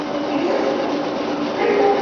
ঠিক আছে, আমি তোমাকে দেখছি।